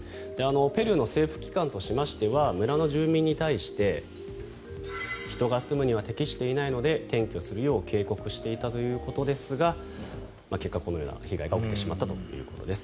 ペルーの政府機関としましては村の住民に対して人が住むには適していないので転居するよう警告していたということですが結果、このような被害が起きてしまったということです。